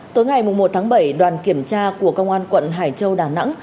tối ngày một tháng bảy đoàn kiểm tra của công an quận hải châu đà nẵng